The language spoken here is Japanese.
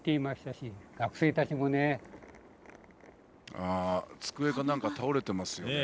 ああ机かなんか倒れてますよね。